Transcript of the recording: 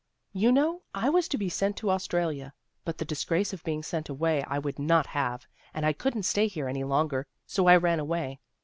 You know, I was to be sent to Australia. But the disgrace of being sent away I would not have, and I couldn't stay here any longer, so I ran away.